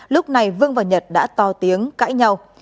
lúc này vương và nhật đã to tiếng cãi nhau